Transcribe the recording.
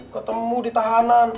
ketemu di tahanan